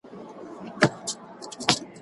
د دوکي پايله بده وي.